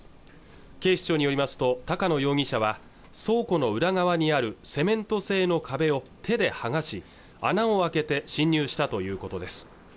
警視庁によりますと高野容疑者は倉庫の裏側にあるセメント製の壁を手ではがし穴を開けて侵入したということです